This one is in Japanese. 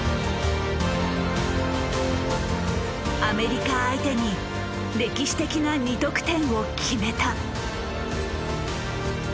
アメリカ相手に歴史的な２得点を決めた。